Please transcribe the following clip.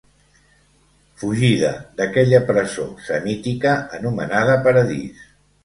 Fugida d'aquella presó semítica anomenada paradís.